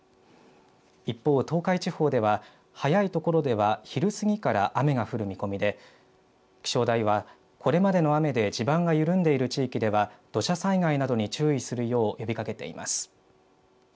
一方、東海地方では早い所では昼すぎから雨が降る見込みで気象台はこれまでの雨で地盤が緩んでいる地域では土砂災害などに注意するよう呼びかけています。